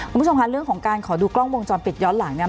คุณผู้ชมค่ะเรื่องของการขอดูกล้องวงจรปิดย้อนหลังเนี่ย